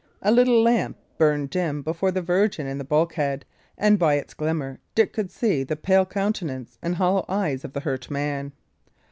A little lamp burned dim before the Virgin in the bulkhead, and by its glimmer Dick could see the pale countenance and hollow eyes of the hurt man.